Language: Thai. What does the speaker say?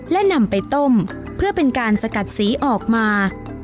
และนำไปต้มเพื่อเป็นการสกัดสีออกมา